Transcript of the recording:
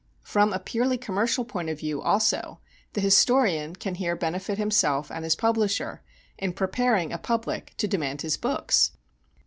From a purely commercial point of view, also, the historian can here benefit himself and his publisher in preparing a public to demand his books.